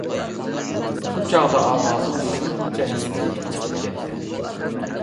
شۇ چاغدا ئاۋازىم شۇنچە ھەسرەتلىك چىقىپ كەتتى.